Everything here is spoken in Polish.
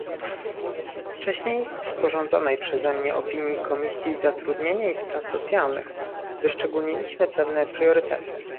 Wcześniej w sporządzonej przeze mnie opinii Komisji Zatrudnienia i Spraw Socjalnych wyszczególniliśmy pewne priorytety